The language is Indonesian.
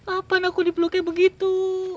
kapan aku dipeluknya begitu